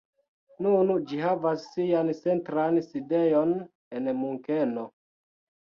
Nun ĝi havas sian centran sidejon en Munkeno.